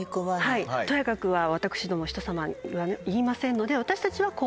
とやかくは私ども人さまには言いませんので。